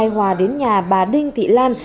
hòa đến nhà bà đinh thị lan